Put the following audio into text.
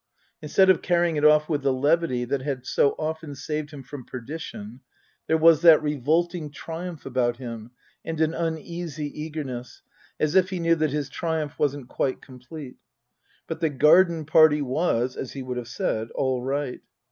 Instead of carrying it off with the levity that had so often saved him from perdition, there was that revolting triumph about him and an uneasy eagerness, as if he knew that his triumph wasn't quite complete. But the garden party was, as he would have said, all right.